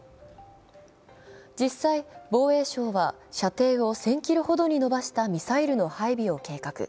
実際、防衛省は射程を１０００ｋｍほどに延ばしたミサイルの配備を計画。